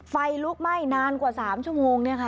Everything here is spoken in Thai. ไฟลุกไหม้นานกว่า๓ชั่วโมงเนี่ยค่ะ